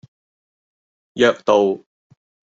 約道